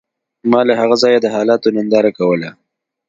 ما له هغه ځایه د حالاتو ننداره کوله